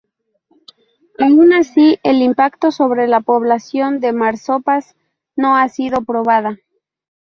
Aún así, el impacto sobre la población de marsopas no ha sido probada.